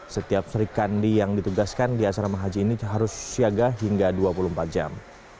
setiap serikandi yang ditugaskan di asrama haji ini harus siaga hingga dua puluh empat jam